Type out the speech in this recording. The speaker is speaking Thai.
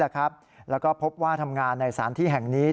แล้วก็พบว่าทำงานในสถานที่แห่งนี้